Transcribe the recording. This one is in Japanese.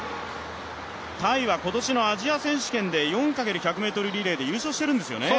タイは今年のアジア選手権で４×１００ｍリレーで優勝しているんですよね。